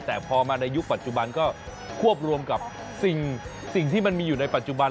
แต่พอมาในยุคปัจจุบันก็ควบรวมกับสิ่งที่มันมีอยู่ในปัจจุบัน